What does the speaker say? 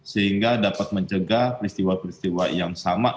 sehingga dapat mencegah peristiwa peristiwa yang sama